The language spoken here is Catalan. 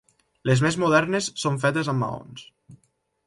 Les més modernes són fetes amb maons.